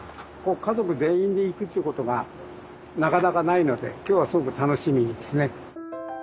家族全員で行くっていうことがなかなかないので今日はすごく楽しみですね。